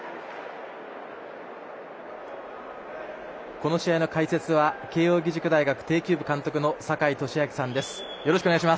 この試合の解説は慶應大学庭球部監督の坂井利彰さんです。